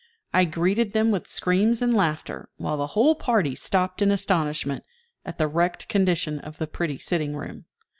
I greeted them with screams and laughter, while the whole party stopped in astonishment at the wrecked condition of the pretty sitting room.